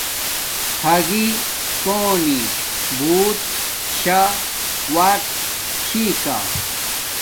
ھاگی کونی بوت شا وقت چھی کا